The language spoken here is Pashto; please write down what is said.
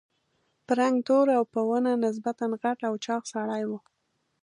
په رنګ تور او په ونه نسبتاً غټ او چاغ سړی و.